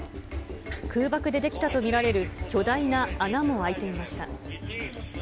空爆で出来たとみられる巨大な穴も開いていました。